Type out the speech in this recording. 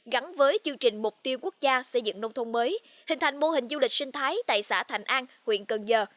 gắn với chương trình mục tiêu quốc gia xây dựng nông thôn mới hình thành mô hình du lịch sinh thái tại xã thành an huyện cần giờ